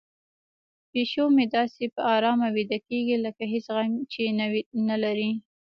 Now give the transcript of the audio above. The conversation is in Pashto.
پیشو مې داسې په ارامه ویده کیږي لکه هیڅ غم چې نه لري.